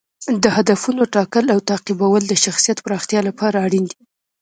د هدفونو ټاکل او تعقیب کول د شخصیت پراختیا لپاره اړین دي.